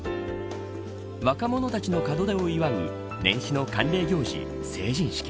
若者たちの門出を祝う年始の慣例行事、成人式。